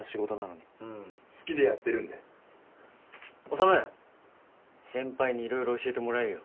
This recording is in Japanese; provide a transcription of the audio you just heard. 修先輩に色々教えてもらえよ。